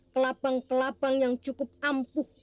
kelabang kelabang yang cukup ampuh